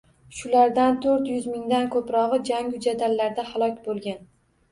Shulardan to’rt yuz mingdan ko‘prog‘i jangu-jadallarda halok bo‘lgan